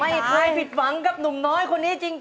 ไม่เคยผิดหวังกับหนุ่มน้อยคนนี้จริง